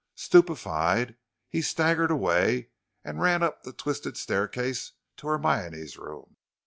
Stupefied, he staggered away and ran up the twisted staircase to Hermione's room.